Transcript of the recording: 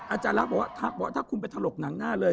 อาจารย์บอกว่าถ้าคุณไปทะลกหนังหน้าเลย